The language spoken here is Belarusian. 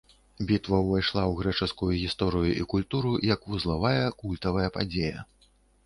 Бітва ўвайшла ў грэчаскую гісторыю і культуру як вузлавая, культавая падзея.